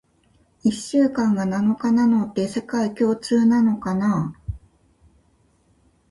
一週間が七日なのって、世界共通なのかな？